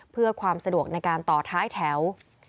เพื่อความสะดวกในการต่อท้ายแถว